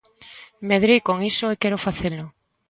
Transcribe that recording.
Medrei con iso e quero facelo.